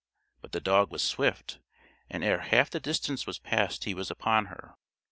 But the dog was swift, and ere half the distance was passed he was upon her.